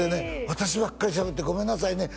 「私ばっかりしゃべってごめんなさいね」